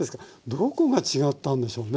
どこが違ったんでしょうね